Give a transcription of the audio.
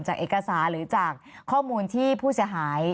จากเอกสารหรือจากข้อมูลที่ผู้เสียหาย